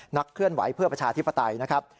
นักเคลื่อนไหวเพื่อประชาธิปไตยนะครับ